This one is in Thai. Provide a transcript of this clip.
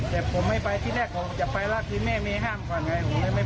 แต่ผมไม่ไปที่แรกผมจะไปแล้วที่แม่ไม่ห้ามก่อนไง